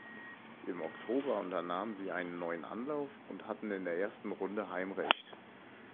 Im Oktober unternahmen sie einen neuen Anlauf und hatten in der ersten Runde Heimrecht.